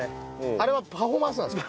あれはパフォーマンスなんですか？